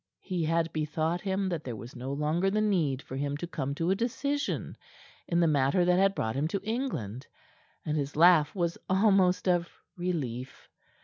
He had bethought him that there was no longer the need for him to come to a decision in the matter that had brought him to England, and his laugh was almost of relief.